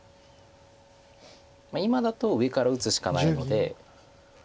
今だと上から打つしかないので。